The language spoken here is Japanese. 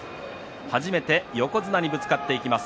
初めて横綱にぶつかっていきます。